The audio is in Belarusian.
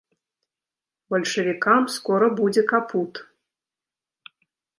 Бальшавікам скора будзе капут.